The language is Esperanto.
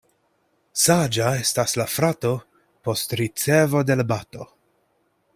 Saĝa estas la frato post ricevo de l' bato.